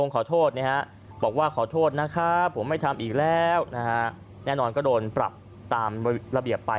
ครับผมไม่ทำอีกแล้วแน่นอนก็โดนปรับตามระเบียบไป